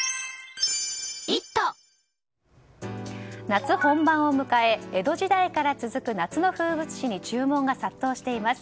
夏本番を迎え江戸時代から続く夏の風物詩に注文が殺到しています。